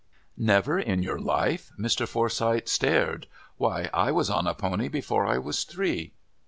"Never in your life?" Mr. Forsyth stared. "Why, I was on a pony before I was three.